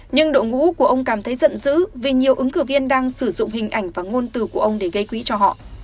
nhưng đội ngũ của ông cảm thấy giận dữ vì nhiều ứng cử viên đang sử dụng hình ảnh và ngôn từ của ông để gây quỹ cho họ